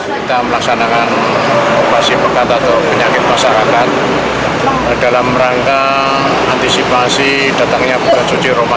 kita melaksanakan operasi pekat atau penyakit masyarakat dalam rangka antisipasi datangnya bulan suci ramadan